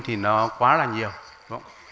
thì nó quá là nhiều